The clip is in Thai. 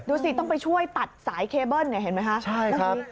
ดูสิต้องไปช่วยตัดสายเคเบิ้ลเนี่ยเห็นไหมคะ